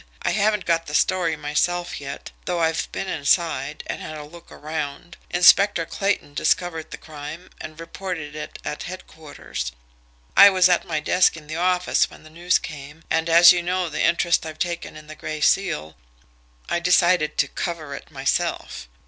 "I haven't got the story myself yet, though I've been inside, and had a look around. Inspector Clayton discovered the crime, and reported it at headquarters. I was at my desk in the office when the news came, and, as you know the interest I've taken in the Gray Seal, I decided to 'cover' it myself.